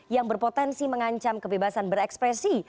yang berpotensi mengancam kebebasan berekspresi